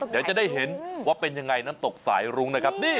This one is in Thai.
เดี๋ยวจะได้เห็นว่าเป็นยังไงน้ำตกสายรุ้งนะครับ